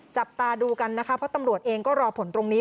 จับตาดูกันนะคะเพราะตำรวจเองก็รอผลตรงนี้